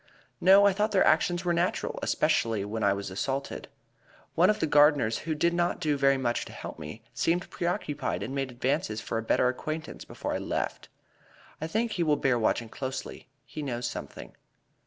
"No, I thought their actions were natural, especially when I was assaulted. One of the gardeners, who did not do very much to help me, seemed preoccupied and made advances for a better acquaintance before I left. I think he will bear watching closely; he knows something."